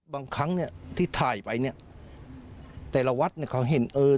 บางครั้งเนี่ยที่ถ่ายไปเนี่ยแต่ละวัดเนี่ยเขาเห็นเออ